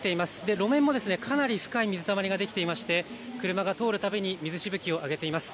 路面もかなり深い水たまりができていまして車が通るたびに水しぶきを上げています。